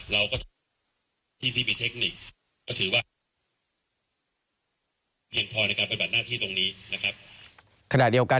เราก็ที่มีเทคนิคก็ถือว่าเดี๋ยวพอในการปฏิบัติหน้าที่ตรงนี้นะครับ